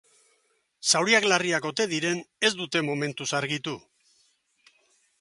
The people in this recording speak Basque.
Zauriak larriak ote diren ez dute momentuz argitu.